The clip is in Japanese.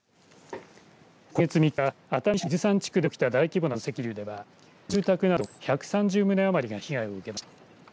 今月３日、熱海市の伊豆山地区で起きた大規模な土石流では住宅など１３０棟余りが被害を受けました。